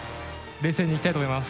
冷静にいきたいと思います。